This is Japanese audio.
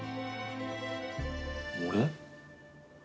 俺？